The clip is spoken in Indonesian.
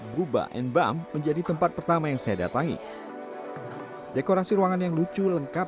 guba and bum menjadi tempat pertama yang saya datangi dekorasi ruangan yang lucu lengkap